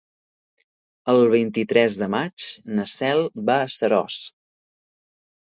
El vint-i-tres de maig na Cel va a Seròs.